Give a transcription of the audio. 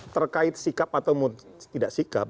terkait sikap atau tidak sikap